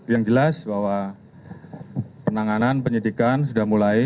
yang jelas bahwa penanganan penyidikan sudah mulai